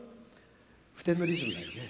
付点のリズムだよね。